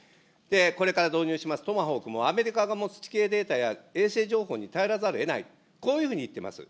これから導入しますトマホークも、アメリカが持つ地形データや衛星情報に頼らざるをえない、こういうふうに言ってます。